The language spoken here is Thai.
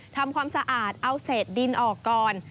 ทำความสะอาดเอาเศษดินออกก่อน